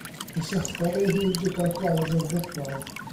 Cysylltodd ei hun gyda'r Blaid Ryddfrydol.